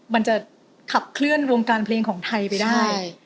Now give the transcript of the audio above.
มันจะขับเคลื่อนวงการเพลงของไทยไปได้